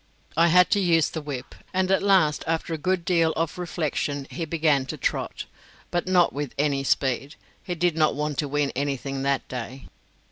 I had to use the whip, and at last after a good deal of reflection he began to trot, but not with any speed; he did not want to win anything that day.